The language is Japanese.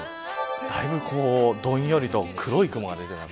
だいぶどんよりと黒い雲が出ています。